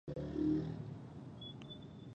د نجات کولو امر ورته کېږي